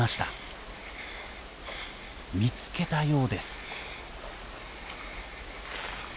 見つけたようです。